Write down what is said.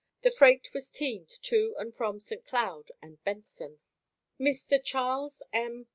The freight was teamed to and from St. Cloud and Benson. Mr. Charles M.